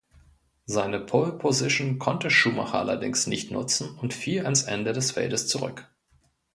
Seine Pole-Position konnte Schumacher allerdings nicht nutzen und fiel ans Ende des Feldes zurück.